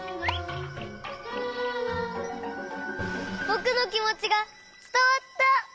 ぼくのきもちがつたわった！